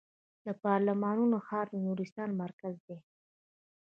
د پارون ښار د نورستان مرکز دی